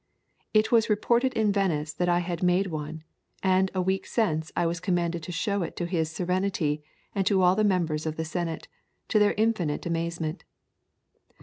It was reported in Venice that I had made one, and a week since I was commanded to show it to his Serenity and to all the members of the senate, to their infinite amazement.